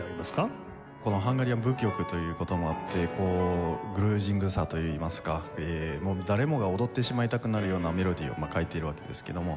『ハンガリア舞曲』という事もあってこうグルービングさといいますか誰もが踊ってしまいたくなるようなメロディーを書いているわけですけども。